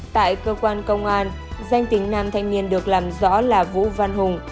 tại cơ quan công an danh tính nam thanh niên được làm rõ là vũ văn hùng